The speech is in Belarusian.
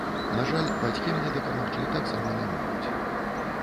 На жаль, бацькі мне дапамагчы таксама не могуць.